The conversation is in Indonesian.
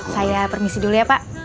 saya permisi dulu ya pak